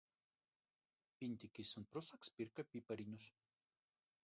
Pintiķis un prusaks pirka pipariņus.